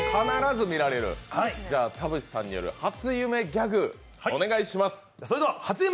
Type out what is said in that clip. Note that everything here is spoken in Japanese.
じゃあ田渕さんによる初夢ギャグお願いします。